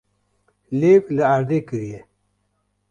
Lêv li erdê kiriye.